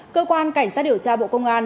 cơ quan cảnh sát điều tra bộ công an